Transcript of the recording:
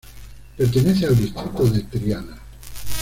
Pertenece al distrito de Triana.